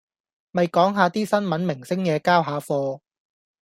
咪講下啲新聞明星野交下貨